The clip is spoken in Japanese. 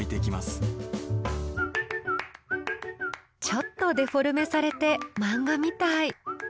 ちょっとデフォルメされて漫画みたい。